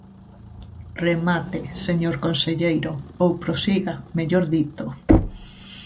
Remate, señor conselleiro; ou prosiga, mellor dito.